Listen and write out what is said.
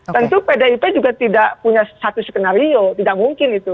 tentu pdip juga tidak punya satu skenario tidak mungkin itu